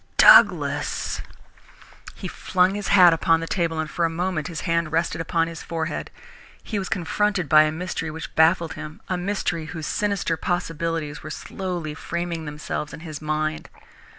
"Douglas!" He flung his hat upon the table and for a moment his hand rested upon his forehead. He was confronted with a mystery which baffled him, a mystery whose sinister possibilities were slowly framing themselves in his mind.